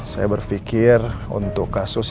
saya berpikir untuk kasus